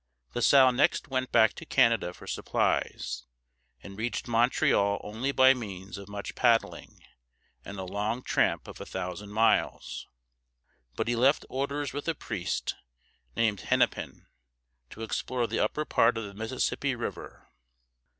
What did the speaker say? La Salle next went back to Canada for supplies, and reached Montreal only by means of much paddling and a long tramp of a thousand miles. But he left orders with a priest, named Hen´ne pin, to explore the upper part of the Mississippi River.